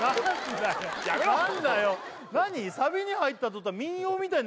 何だよ何？